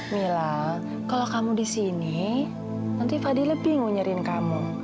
mila kalau kamu di sini nanti fadil lebih ngu nyariin kamu